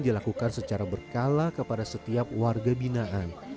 dilakukan secara berkala kepada setiap warga binaan